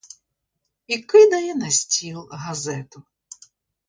І кидає на стіл газету.